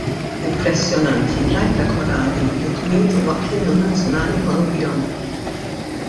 Impressjonanti l-għajta korali li dwiet waqt l-innu nazzjonali Kolumbjan.